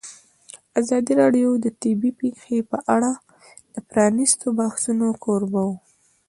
ازادي راډیو د طبیعي پېښې په اړه د پرانیستو بحثونو کوربه وه.